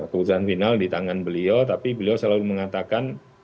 keputusan final di tangan beliau tapi beliau selalu mengatakan